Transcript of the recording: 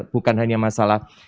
bukan hanya masalah